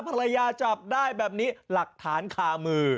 ภรรยาจับได้แบบนี้หลักฐานคามือ